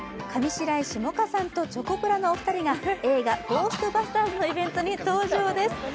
上白石萌歌さんとチョコプラのお二人が映画「ゴーストバスターズ」のイベントに登場です。